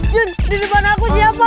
jun di depan aku siapa